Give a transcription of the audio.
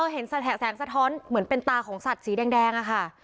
เห็นแสงสะท้อนเหมือนเป็นตาของสัตว์สีแดงอะค่ะ